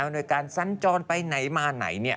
โดยการสัญจรไปไหนมาไหนเนี่ย